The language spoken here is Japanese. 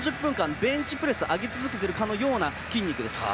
ベンチプレスをあげ続けているかのような筋肉です。